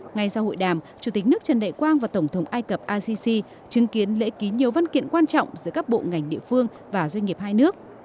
ngay sau hội đàm chủ tịch nước trần đại quang và tổng thống ai cập assisi chứng kiến lễ ký nhiều văn kiện quan trọng giữa các bộ ngành địa phương và doanh nghiệp hai nước